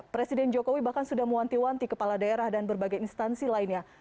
presiden jokowi bahkan sudah mewanti wanti kepala daerah dan berbagai instansi lainnya